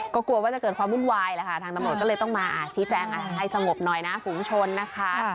กลัวว่าจะเกิดความบุนไหวนะคะทางตำนวนก็เลยต้องมาชี้แจงให้สงบน้อยนะฝูมชนนะคะ